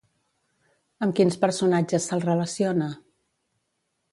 Amb quins personatges se'l relaciona?